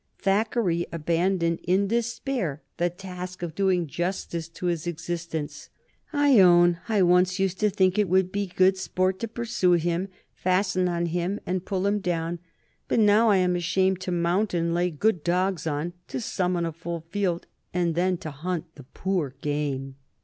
Thackeray abandoned in despair the task of doing justice to his existence. "I own I once used to think it would be good sport to pursue him, fasten on him, and pull him down. But now I am ashamed to mount and lay good dogs on, to summon a full field, and then to hunt the poor game."